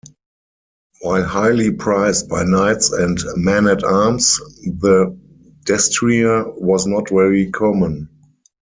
While highly prized by knights and men-at-arms, the destrier was not very common.